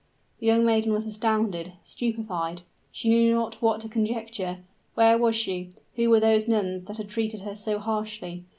The young maiden was astounded stupefied she knew not what to conjecture. Where was she? who were those nuns that had treated her so harshly?